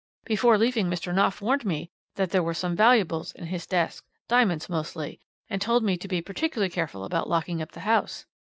"'Before leaving, Mr. Knopf warned me that there were some valuables in his desk diamonds mostly, and told me to be particularly careful about locking up the house.